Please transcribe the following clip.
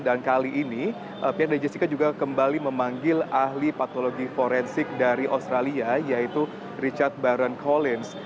dan kali ini pihak dari jessica juga kembali memanggil ahli patologi forensik dari australia yaitu richard baron collins